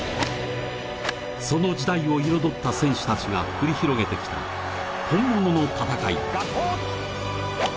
その時代を彩った選手たちが繰り広げてきた本物の戦い。